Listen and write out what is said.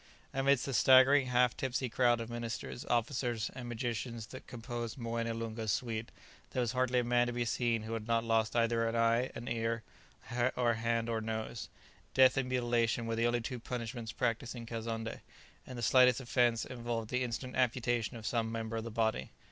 Amidst the staggering, half tipsy crowd of ministers, officers, and magicians that composed Moené Loonga's suite, there was hardly a man to be seen who had not lost either an eye, an ear, or hand, or nose. Death and mutilation were the only two punishments practised in Kazonndé, and the slightest offence involved the instant amputation of some member of the body.